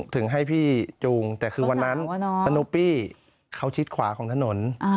ถึงให้พี่จูงแต่คือวันนั้นธนูปี้เขาชิดขวาของถนน